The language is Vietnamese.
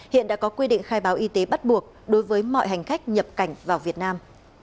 hiện đã có quy định khai báo y tế bắt buộc đối với mọi hành khách nhập cảnh vào việt nam